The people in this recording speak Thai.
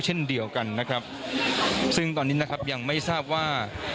เช่นเดียวกันนะครับซึ่งตอนนี้นะครับยังไม่ทราบว่า